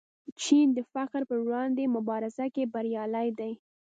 چین د فقر پر وړاندې مبارزه کې بریالی دی.